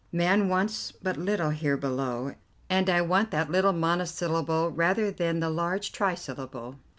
'Man wants but little here below,' and I want that little monosyllable rather than the large trisyllable.